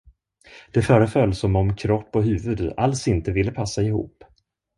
Det föreföll, som om kropp och huvud alls inte ville passa ihop.